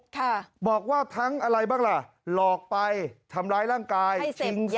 ค่ะบอกว่าทั้งอะไรบ้างล่ะหลอกไปทำร้ายร่างกายชิงทรัพย์